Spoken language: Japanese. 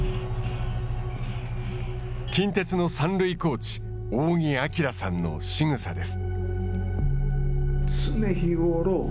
近鉄の三塁コーチ仰木彬さんのしぐさです。